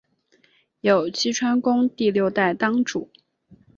有栖川宫第六代当主。